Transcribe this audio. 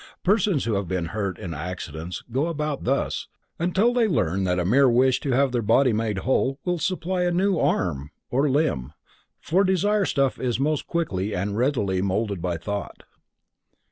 Persons who have been hurt in accidents go about thus, until they learn that a mere wish to have their body made whole will supply a new arm or limb, for desire stuff is most quickly and readily molded by thought.